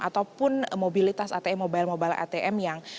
ataupun mobilitas atm mobile mobil mobile atm yang